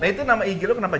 nah itu nama ig lo kenapa